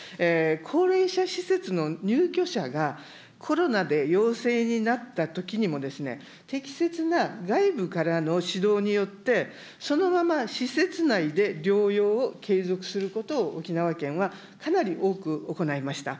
高齢者施設の入居者が、コロナで陽性になったときにも、適切な外部からの指導によって、そのまま施設内で療養を継続することを、沖縄県はかなり多く行いました。